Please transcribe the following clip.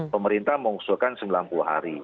pemerintah mengusulkan sembilan puluh hari